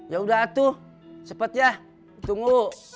ya udah tuh cepet ya tunggu